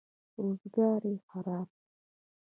روزګار یې خراب دی.